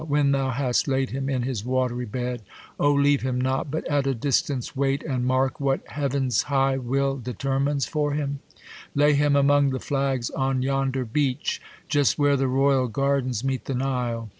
When thou hast laid him in his wat'ry bed, leave him not ; but at a distance wait, And mark what Heav'n's high will determines fur him. Lay him among the flags on yonder beach, Just where the royal gardens meet the Nile.